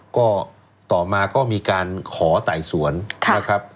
ก็ต่อมาก็มีการขอไต่สวนนะครับ